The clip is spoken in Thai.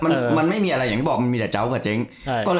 มันมันไม่มีอะไรอย่างที่บอกมันมีแต่เจ้ากับเจ๊ง